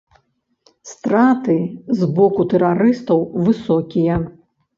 Страты з боку тэрарыстаў высокія.